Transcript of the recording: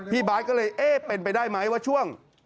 บาทก็เลยเอ๊ะเป็นไปได้ไหมว่าช่วง